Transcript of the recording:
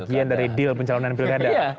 bagian dari deal pencalonan pilkada